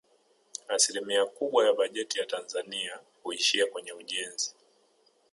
Asilimia kubwa ya bajeti ya Tanzania huishia kwenye ujenzi